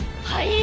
はい。